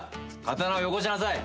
刀をよこしなさい。